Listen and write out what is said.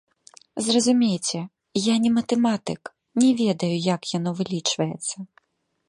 Зразумейце, я не матэматык, не ведаю, як яно вылічваецца.